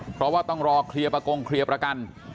เพราะว่าต้องรอเคลียร์ประกงเคลียร์ประกัน